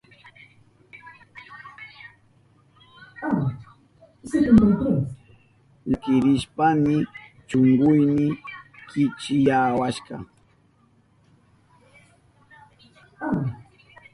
Llakirishpayni shunkuyni kichkiyawashka.